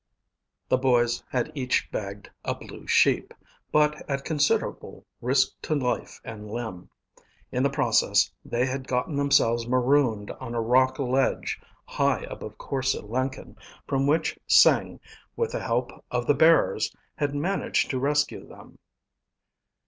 The boys had each bagged a blue sheep, but at considerable risk to life and limb. In the process, they had gotten themselves marooned on a rock ledge high above Korse Lenken, from which Sing, with the help of the bearers, had managed to rescue them.